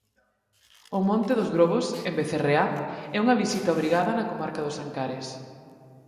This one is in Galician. O Monte dos Grobos, en Becerreá, é unha visita obrigada na comarca dos Ancares.